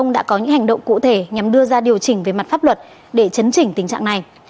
ông đã có những hành động cụ thể nhằm đưa ra điều chỉnh về mặt pháp luật để chấn chỉnh tình trạng này